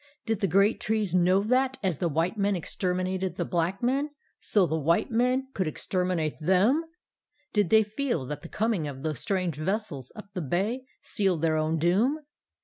Did the great trees know that, as the white men exterminated the black men, so the white men would exterminate them? Did they feel that the coming of those strange vessels up the bay sealed their own doom?